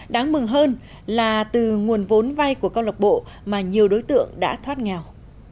đáng mừng hơn là từ nguồn vốn vai của câu lạc bộ mà nhiều đối tượng đã thoát ngào